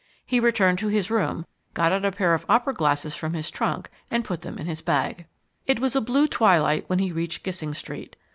He returned to his room, got out a pair of opera glasses from his trunk, and put them in his bag. It was blue twilight when he reached Gissing Street.